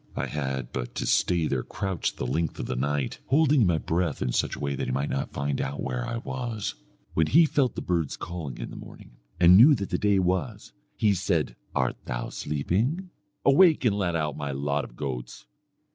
I had but to stay there crouched the length of the night, holding in my breath in such a way that he might not find out where I was. "When he felt the birds calling in the morning, and knew that the day was, he said 'Art thou sleeping? Awake and let out my lot of goats.'